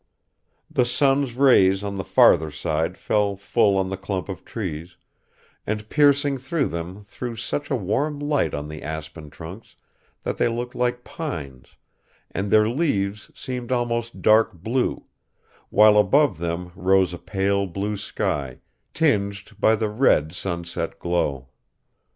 The sun's rays on the farther side fell full on the clump of trees, and piercing through them threw such a warm light on the aspen trunks that they looked like pines, and their leaves seemed almost dark blue, while above them rose a pale blue sky, tinged by the red sunset glow.